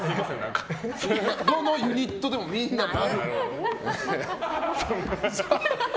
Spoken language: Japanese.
どのユニットでもみんな〇！